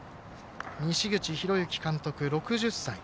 西口博之監督、６０歳。